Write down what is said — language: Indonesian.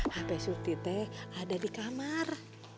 hape surti teh ada di kamar